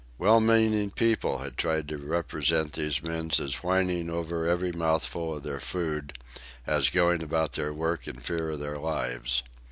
Well meaning people had tried to represent those men as whining over every mouthful of their food; as going about their work in fear of their lives.